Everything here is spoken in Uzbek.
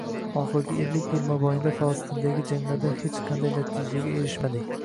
Oxirgi ellik yil mobaynida Falastindagi janglarda hech qanday natijaga erishmadik